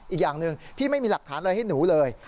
อีกอย่างหนึ่งพี่ไม่มีหลักฐานอะไรให้หนูเลย